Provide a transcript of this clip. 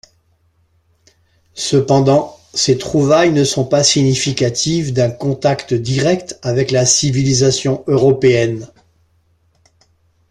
Cependant, ces trouvailles ne sont pas significatives d’un contact direct avec la civilisation européenne.